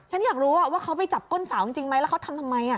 ฉันอยากรู้ว่าเขาไปจับก้นสาวจริงไหมแล้วเขาทำทำไม